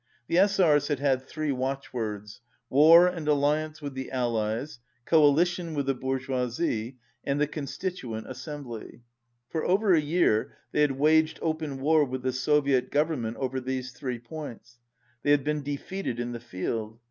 The S.R.'s had had three watch words: "War and alliance with the Allies," "Coalition with the bourgeoisie," and "The Con stituent Assembly." For over a year they had waged open war with the Soviet Government over these three points. They had been defeated in the field.